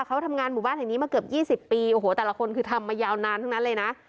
เขาทำงานหมู่บ้านแห่งนี้มาเกือบ๒๐ปีโอ้โหแต่ละคนคือทำมายาวนานทั้งนั้นเลยนะ